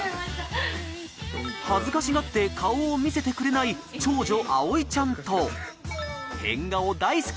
恥ずかしがって顔を見せてくれない長女あおいちゃんと変顔大好き